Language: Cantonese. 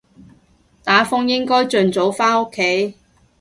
打風應該盡早返屋企